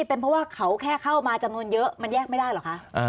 เป็นเพราะว่าเขาแค่เข้ามาจำนวนเยอะมันแยกไม่ได้เหรอคะ